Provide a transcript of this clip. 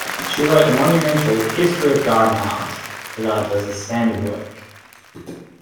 She wrote the monumental "History of Garden Art", regarded as a standard work.